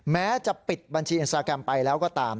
แม้จะปิดบัญชีอินสตาแกรมไปแล้วก็ตาม